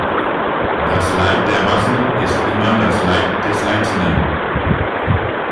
Das Leid der Massen ist immer das Leid des Einzelnen.